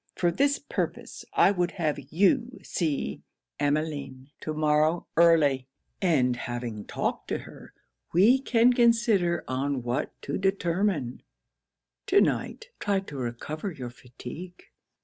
For this purpose, I would have you see Emmeline to morrow early; and having talked to her, we can consider on what to determine. To night, try to recover your fatigue.'